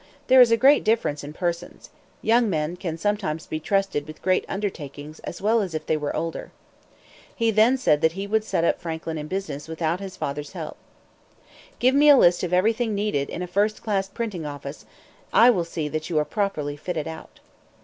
There is a great difference in persons. Young men can sometimes be trusted with great undertakings as well as if they were older." He then said that he would set Franklin up in business without his father's help. "Give me a list of everything needed in a first class printing office. I will see that you are properly fitted out."